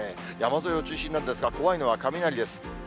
山沿いを中心なんですが、怖いのは雷です。